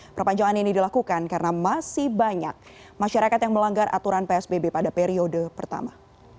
perpanjangan ini dilakukan karena masih banyak masyarakat yang melanggar aturan psbb pada periode pertama